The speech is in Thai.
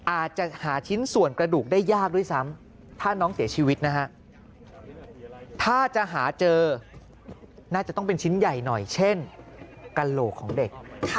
อาจจะหาชิ้นส่วนกระดูกได้ยากด้วยซ้ำถ้าน้องเสียชีวิตนะฮะถ้าจะหาเจอน่าจะต้องเป็นชิ้นใหญ่หน่อยเช่นกระโหลกของเด็ก